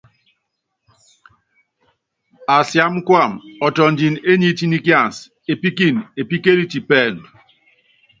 Asiámá kuamɛ ɔtɔndini é niitníkiansɛ, epíkini epíkeliti pɛɛndu.